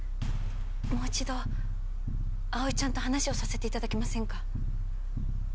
もう一度葵ちゃんと話をさせて頂けませんか？